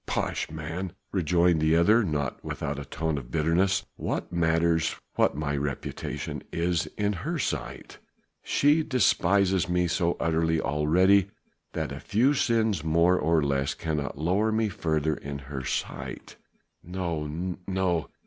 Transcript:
"Pshaw man!" rejoined the other not without a tone of bitterness, "what matters what my reputation is in her sight? She despises me so utterly already that a few sins more or less cannot lower me further in her sight." "No! no!